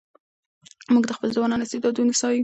موږ د خپلو ځوانانو استعدادونه ستایو.